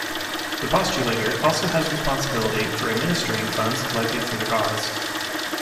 The postulator also has responsibility for administering funds collected for the cause.